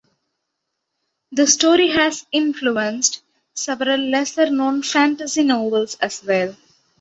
The story has influenced several lesser known fantasy novels as well.